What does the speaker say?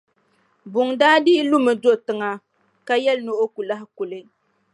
Buŋa daa dii lumi n-do tiŋa ka yɛli ni o ku lahi kuli.